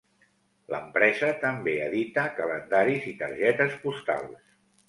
L'empresa també edita calendaris i targetes postals.